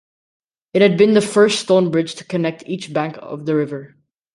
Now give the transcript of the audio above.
It had been the first stone bridge to connect each bank of the river.